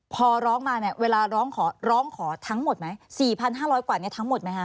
พอร้องมาเนี่ยเวลาร้องขอร้องขอทั้งหมดไหม๔๕๐๐กว่านี้ทั้งหมดไหมคะ